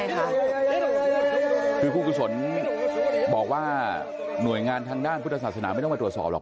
คือผู้กุศลบอกว่าหน่วยงานทางด้านพุทธศาสนาไม่ต้องมาตรวจสอบหรอก